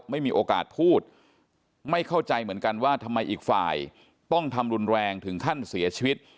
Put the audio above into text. ไม่มีโอกาสพูดไม่เข้าใจเหมือนกันว่าทำไมอีกฝ่ายต้องทำรุนแรงถึงขั้นเสียชีวิต